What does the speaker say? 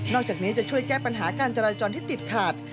จากนี้จะช่วยแก้ปัญหาการจราจรที่ติดขาด